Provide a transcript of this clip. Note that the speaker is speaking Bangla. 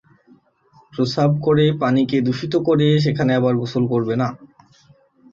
প্রস্রাব করে তোমরা পানিকে দূষিত করে সেখানে আবার গোসল করবে না।